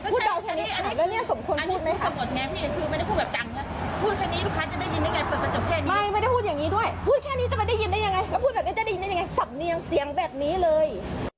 สำเนียงเสียงแบบนี้เลย